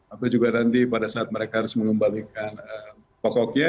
atau juga nanti pada saat mereka harus mengembalikan pokoknya